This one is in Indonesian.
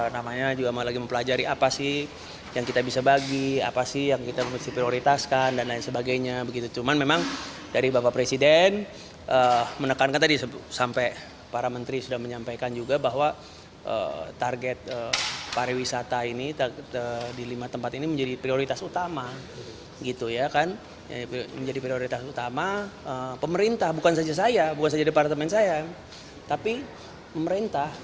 di lima tempat ini menjadi prioritas utama pemerintah bukan saja saya bukan saja departemen saya tapi pemerintah